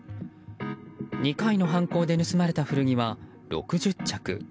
２回の犯行で盗まれた古着は６０着。